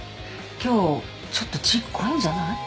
今日ちょっとチーク濃いんじゃない？